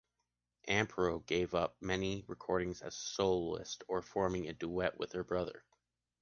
Amparo gave up many recordings as a soloist or forming a duet with her brother.